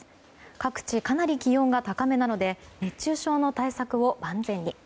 各地かなり気温が高めなので熱中症の対策を万全に。